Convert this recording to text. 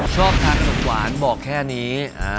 ชอบทานสดหวานบอกแค่นี้